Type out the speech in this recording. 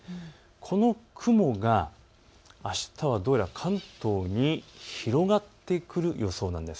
この雲が、あしたはどうやら関東に広がってくる予想なんです。